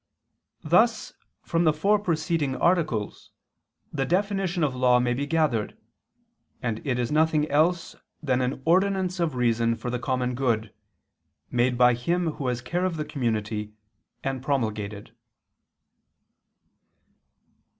Thus from the four preceding articles, the definition of law may be gathered; and it is nothing else than an ordinance of reason for the common good, made by him who has care of the community, and promulgated.